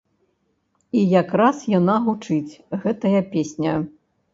І якраз яна гучыць, гэтая песня!